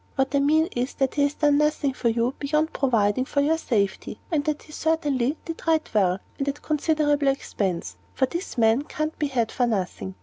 What I mean is that he has done nothing for you beyond providing for your safety. And that he certainly did right well, and at considerable expense, for this man can't be had for nothing.